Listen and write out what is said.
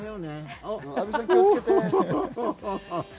阿部さん、気をつけて！